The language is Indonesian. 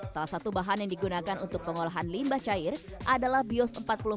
salah satu bahan yang digunakan untuk pengolahan limbah cair adalah bios empat puluh empat